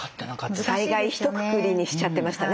災害ひとくくりにしちゃってましたね。